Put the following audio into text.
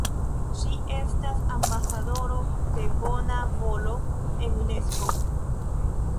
Ŝi estas ambasadoro de bona volo en Unesko.